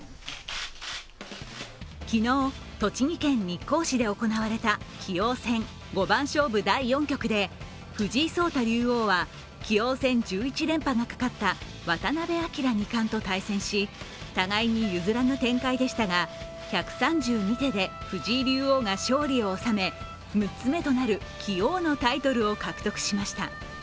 昨日、栃木県日光市で行われた棋王戦五番勝負第４局で藤井聡太竜王は棋王戦１１連覇がかかった渡辺明二冠と対戦し互いに譲らぬ展開でしたが１３２手で藤井竜王が勝利を収め６つ目となる棋王のタイトルを獲得しました。